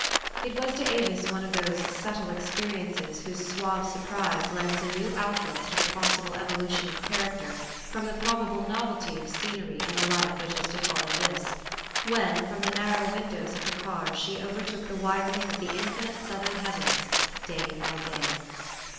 It was to Avis one of those subtle experiences whose suave surprise lends a new outlook to the possible evolution of character from the probable novelty of scenery in the life which is to follow this, when, from the narrow windows of the cars she over took the widening of the infinite Southern heavens, day by day.